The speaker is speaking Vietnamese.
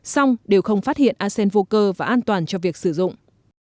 song đều không phát hiện arsen vô cơ và an toàn cho việc sử dụng